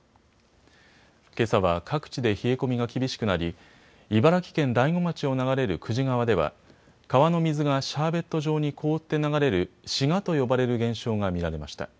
けさは各地で冷え込みが厳しくなり茨城県大子町を流れる久慈川では川の水がシャーベット状に凍って流れるシガと呼ばれる現象が見られました。